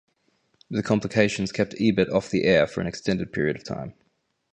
The complications kept Ebert off the air for an extended period of time.